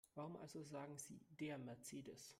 Warum also sagen Sie DER Mercedes?